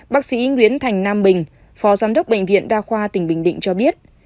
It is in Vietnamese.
bác sĩ nguyễn thành nam bình phó giám đốc bệnh viện đa khoa tỉnh bình định cho biết